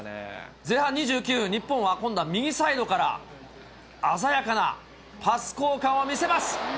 前半２９分、日本は今度は右サイドから、鮮やかな、パス交換を見せます。